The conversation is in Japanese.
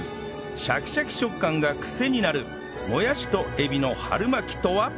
シャキシャキ食感がクセになるもやしとエビの春巻きとは？